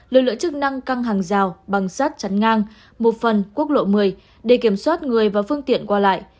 lực lượng chức năng căng hàng rào bằng sát chắn ngang một phần quốc lộ một mươi để kiểm soát người và phương tiện qua lại